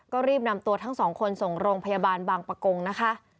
ก็รีบนำตัวทั้งสองคนส่งโรงพยาบาลบางประกงนะคะ